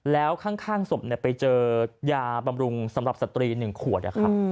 แล้วข้างศพไปเจอยาบำรุงสำหรับสตรี๑ขวดนะครับ